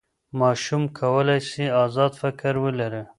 ماشوم کولی سي ازاد فکر ولري.